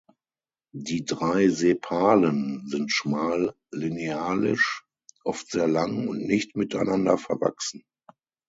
Die drei Sepalen sind schmal linealisch, oft sehr lang, und nicht miteinander verwachsen.